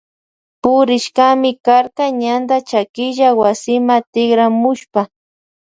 Purishkami karka ñanta chakilla wasima tikramushpa.